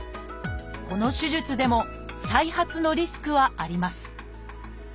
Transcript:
この手術でも再発のリスクはあります